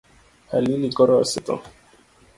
Halili koro osetho.